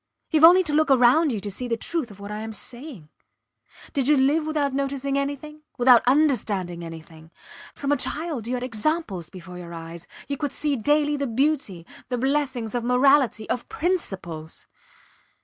Youve only to look round you to see the truth of what I am saying. Did you live without noticing anything, without understanding anything? From a child you had examples before your eyes you could see daily the beauty, the blessings of morality, of principles.